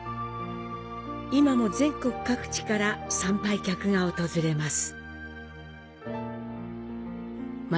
今も全国各地から参拝客が訪れます。